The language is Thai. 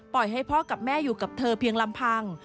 ให้พ่อกับแม่อยู่กับเธอเพียงลำพัง